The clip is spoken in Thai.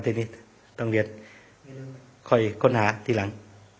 ทีนี้ต้องเรียนคอยค้นหาทีหลัง